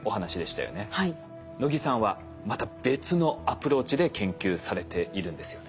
能木さんはまた別のアプローチで研究されているんですよね。